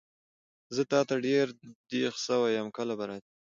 زه تاته ډېر دیغ سوی یم کله به راځي؟